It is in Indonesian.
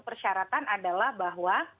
persyaratan adalah bahwa